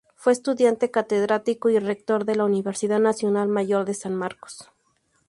Fue estudiante, catedrático y rector de la Universidad Nacional Mayor de San Marcos.